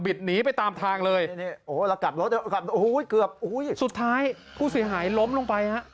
หนีไปตามทางเลยโอ้แล้วกลับรถโอ้โหเกือบสุดท้ายผู้เสียหายล้มลงไปฮะ